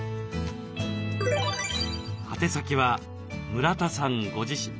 宛先は村田さんご自身。